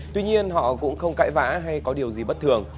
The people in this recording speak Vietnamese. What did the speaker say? tuy nhiên họ cũng không cãi vã hay có điều gì bất thường